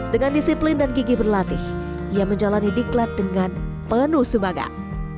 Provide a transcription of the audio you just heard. dengan disiplin dan gigi berlatih ia menjalani diklat dengan penuh semangat